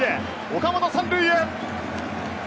岡本、３塁へ！